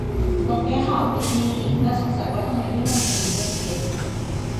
ลงแก้ข่าวไว้ที่นี่ แต่สงสัยว่าทำไมไม่ลงในลิงก์เดิมไปเลย